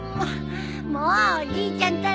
もうおじいちゃんったら！